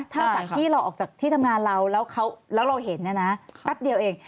ถ้าจากที่เราออกจากที่ทำงานเราแล้วเราเห็นเนี่ยนะแป๊บเดียวเอง